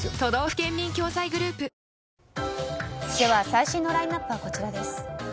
最新のラインアップはこちらです。